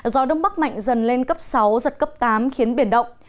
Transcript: gió đông bắc mạnh dần lên cấp sáu giật cấp tám khiến biển động